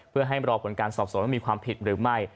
เพื่อให้รอผลการสอบสวนว่ามีความผิดหรือไม่